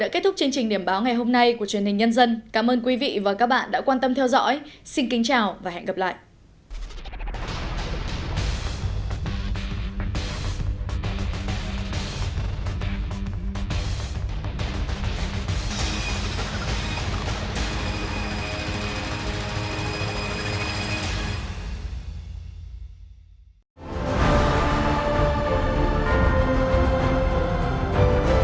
chào tạm biệt